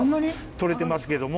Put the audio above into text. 取れてますけども。